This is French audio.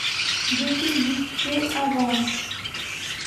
Des flibustiers avancent.